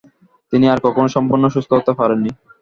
তিনি আর কখনো সম্পূর্ণ সুস্থ হতে পারেন নি।